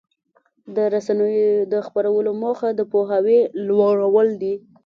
د رسنیو د خپرونو موخه د پوهاوي لوړول دي.